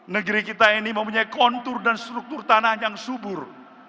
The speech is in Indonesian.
negeri kita ini mempunyai kontur dan struktur tanah yang subur